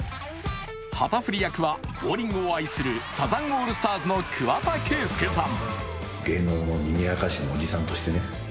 旗振り役はボウリングを愛するサザンオールスターズの桑田佳祐さん。